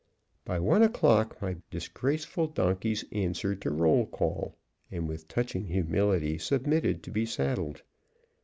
By one o'clock my disgraceful donkeys answered to roll call, and with touching humility submitted to be saddled.